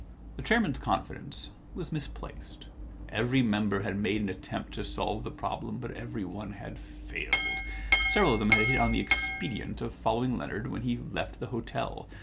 The chairman's confidence was misplaced. Every member had made an attempt to solve the problem, but every one had failed. Several of them had hit on the expedient of following Leonard when he left the hotel.